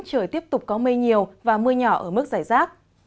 trời tiếp tục có mây nhiều và mưa nhỏ ở mức giải rác